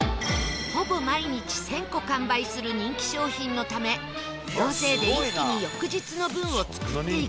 ほぼ毎日１０００個完売する人気商品のため大勢で一気に翌日の分を作っていくんだそう